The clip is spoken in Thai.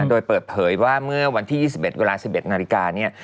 โดยเปิดเผยว่าเมื่อวันที่๒๑เวลา๑๑นาฬิกาเนี่ย